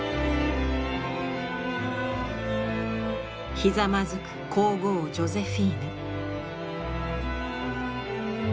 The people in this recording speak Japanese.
ひざまずく皇后ジョゼフィーヌ。